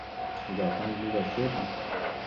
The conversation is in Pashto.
زعفران زموږ لارښود دی.